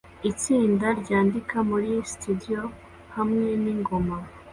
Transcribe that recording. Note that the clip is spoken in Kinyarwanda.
Itsinda ryandika muri stdio hamwe ningoma